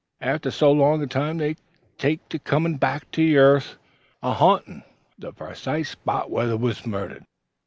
After so long a time they take to comin' back to yarth an' ha'ntin' the precise spot where they wuz murdered.